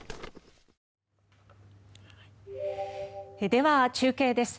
では、中継です。